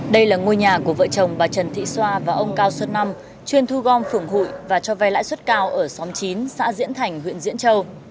đây là ngôi nhà của vợ chồng bà trần thị xoa và ông cao xuất năm chuyên thu gom phường hội và cho vay lãi xuất cao ở xóm chín xã diễn thành huyện diễn châu